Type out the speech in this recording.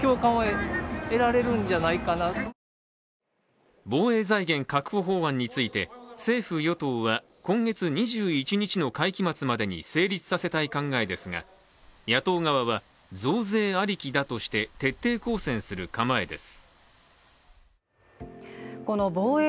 街の人は防衛財源確保法案について、政府・与党は今月２１日の会期末までに成立させたい考えですが野党側は、増税ありきだとして徹底抗戦する構えです。